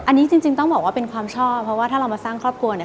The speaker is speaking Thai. อันนี้จริงต้องบอกว่าเป็นความชอบเพราะว่าถ้าเรามาสร้างครอบครัวเนี่ย